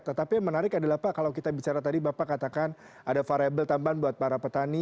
tetapi yang menarik adalah pak kalau kita bicara tadi bapak katakan ada variable tambahan buat para petani